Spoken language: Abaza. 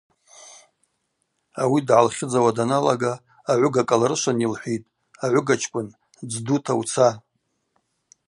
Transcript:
Ауи дгӏалхьыдзауа даналага агӏвыга кӏалрышвын йылхӏвитӏ: Агӏвыгачкӏвын, дздута уца.